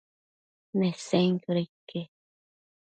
Nesenquioda ique?